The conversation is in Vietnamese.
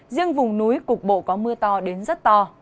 riêng vùng núi cục bộ có mưa to đến rất to